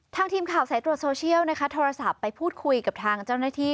ทีมข่าวสายตรวจโซเชียลนะคะโทรศัพท์ไปพูดคุยกับทางเจ้าหน้าที่